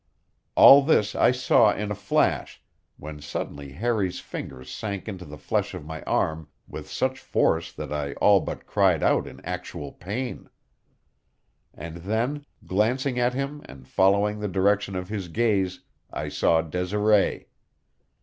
All this I saw in a flash, when suddenly Harry's fingers sank into the flesh of my arm with such force that I all but cried out in actual pain. And then, glancing at him and following the direction of his gaze, I saw Desiree.